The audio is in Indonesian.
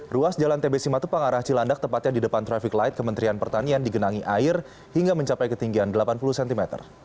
ruas jalan tbc matupang arah cilandak tepatnya di depan traffic light kementerian pertanian digenangi air hingga mencapai ketinggian delapan puluh cm